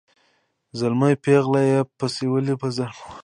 زلمی پېغله یې پسوللي په ظفر وه